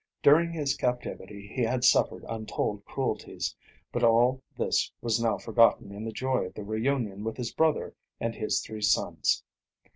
During his captivity he had suffered untold cruelties, but all this was now forgotten in the joy of the reunion with his brother and his three sons.